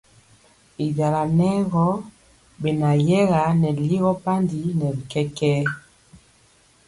Y jala nɛ gɔ benayɛga nɛ ligɔ bandi nɛ bi kɛkɛɛ.